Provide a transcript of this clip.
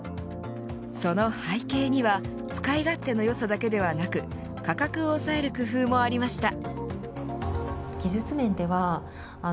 その背景には使い勝手のよさだけではなく価格を抑える工夫もありました。